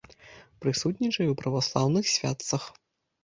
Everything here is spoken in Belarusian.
Прысутнічае і ў праваслаўных святцах.